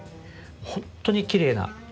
本当にきれいな。